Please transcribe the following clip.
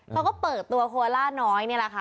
เขาก็เปิดตัวโคล่าน้อยนี่แหละค่ะ